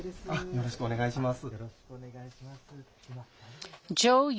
よろしくお願いします。